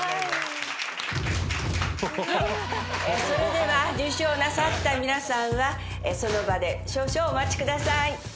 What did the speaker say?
それでは受賞なさった皆さんはその場で少々お待ちください。